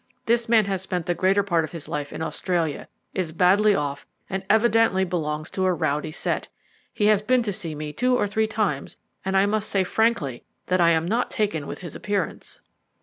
This man has spent the greater part of his life in Australia, is badly off, and evidently belongs to a rowdy set. He has been to see me two or three times, and I must say frankly that I am not taken with his appearance."